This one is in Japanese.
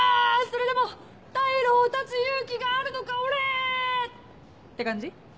それでも退路を断つ勇気があるのか俺！って感じ？